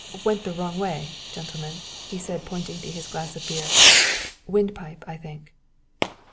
"Went the wrong way gentlemen," he said, pointing to his glass of beer "windpipe, I think."